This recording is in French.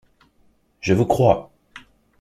Je vous crois!